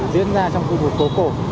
diễn ra trong khu vực phố cổ